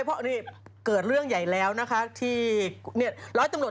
แต่เขาจะเฉลยชื่อ